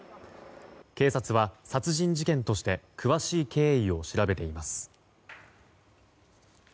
警察は殺人事件として詳しい経緯を調べています。